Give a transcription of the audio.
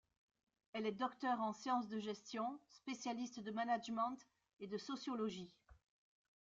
Elle est Docteur en Sciences de Gestion, spécialiste de management et de sociologie.